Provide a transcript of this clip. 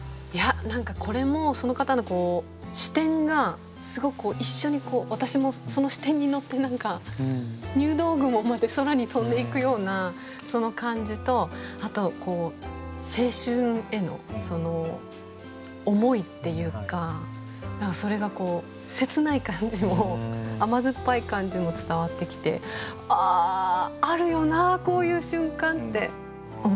何かこれもその方の視点がすごく一緒にこう私もその視点に乗って何か入道雲まで空に飛んでいくようなその感じとあと青春への思いっていうか何かそれが切ない感じも甘酸っぱい感じも伝わってきて「ああるよなこういう瞬間」って思います。